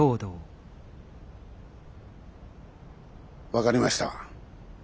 分かりました。